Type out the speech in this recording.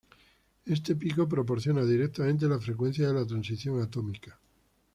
Este pico proporciona directamente la frecuencia de la transición atómica.